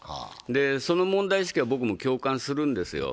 その問題意識は僕も共感するんですよ。